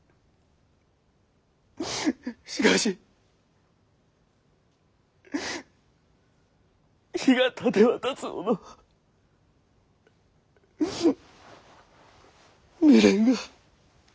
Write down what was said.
しかし日がたてばたつほど未練が。